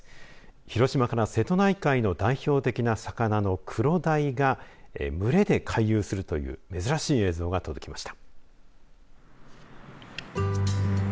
広島から瀬戸内海の代表的な魚のクロダイが群れで回遊するという珍しい映像が届きました。